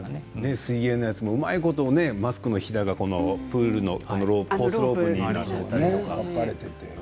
水泳のやつもうまいことマスクのひだがプールのコースロープになっていて。